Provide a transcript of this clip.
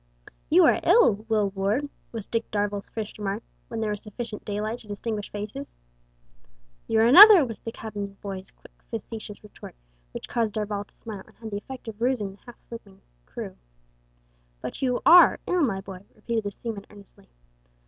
"You are ill, Will Ward," was Dick Darvall's first remark when there was sufficient daylight to distinguish faces. "You're another!" was the cabin boy's quick, facetious retort, which caused Darvall to smile and had the effect of rousing the half sleeping crew. "But you are ill, my boy," repeated the seaman earnestly.